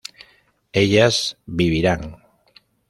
ellas vivirán